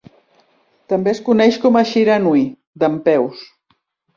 També es coneix com a "shiranui" dempeus.